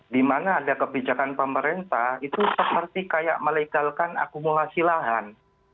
di mana ada kebijakan pemerintah itu seperti kayak melegalkan akumulasi lahan